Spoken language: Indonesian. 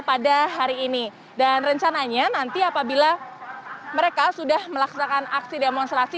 pada hari ini dan rencananya nanti apabila mereka sudah melaksanakan aksi demonstrasi